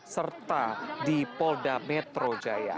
serta di polda metro jaya